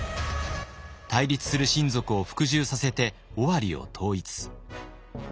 対立する親族を服従させて尾張を統一。